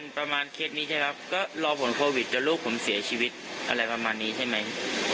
ประมาณเคสนี้ใช่ไหมครับก็รอผลโควิดแต่ลูกผมเสียชีวิตอะไรประมาณนี้ใช่ไหม